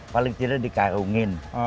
paling tidak di karungin